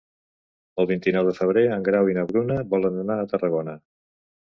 El vint-i-nou de febrer en Grau i na Bruna volen anar a Tarragona.